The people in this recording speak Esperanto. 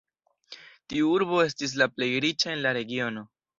Tiu urbo estis la plej riĉa en la regiono.